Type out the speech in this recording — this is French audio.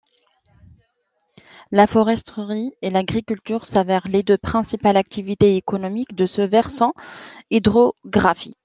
La foresterie et l'agriculture s'avèrent les deux principales activités économiques de ce versant hydrographique.